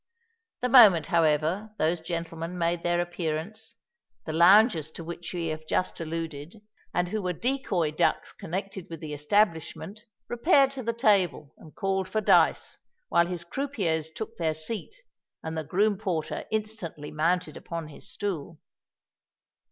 The moment, however, those gentlemen made their appearance, the loungers to whom we have just alluded, and who were decoy ducks connected with the establishment, repaired to the table and called for dice, while his croupiers took their seats, and the groom porter instantly mounted upon his stool.